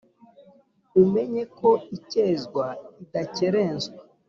Umenye ko ikezwa idakerenswa